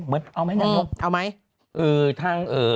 เหมือนเอาไหมนายโอ๊ยเอาไหมเออวือทางเอ่อ